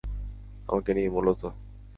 আমাকে নিয়ে, মূলত।